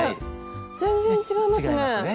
全然違いますね。